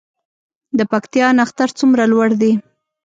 د پکتیا نښتر څومره لوړ دي؟